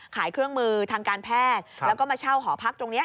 เครื่องมือทางการแพทย์แล้วก็มาเช่าหอพักตรงนี้